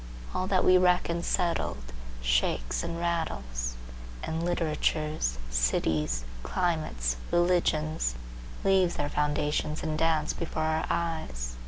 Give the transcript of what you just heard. All that we reckoned settled shakes and rattles; and literatures, cities, climates, religions, leave their foundations and dance before our eyes.